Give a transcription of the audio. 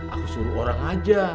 aku suruh orang lain ambil